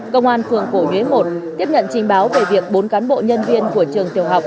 công an phường cổ nhuế một tiếp nhận trình báo về việc bốn cán bộ nhân viên của trường tiểu học